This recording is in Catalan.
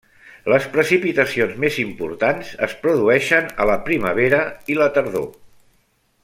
Les precipitacions més importants es produeixen a la primavera i la tardor.